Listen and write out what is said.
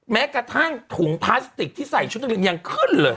แม้กระทั่งถุงพลาสติกที่ใส่ชุดนักเรียนยังขึ้นเลย